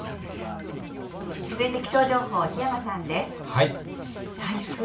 続いて気象情報、檜山さんです。